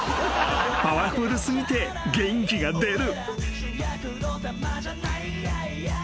［パワフル過ぎて元気が出る］